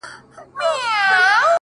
• هغه مړ له مــسته واره دى لوېـدلى؛